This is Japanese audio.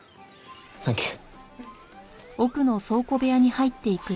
サンキュー。